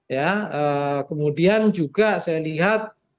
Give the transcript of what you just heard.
ya kemudian juga saya lihat